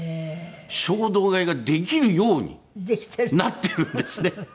衝動買いができるようになってるんですね。